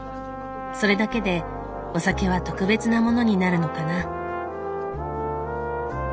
それだけでお酒は特別なものになるのかな。